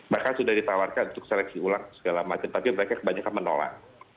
mereka sudah ditawarkan untuk seleksi ulang segala macam tapi mereka kebanyakan menolak